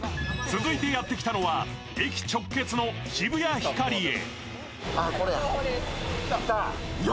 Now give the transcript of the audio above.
続いてやってきたのは駅直結の渋谷ヒカリエ。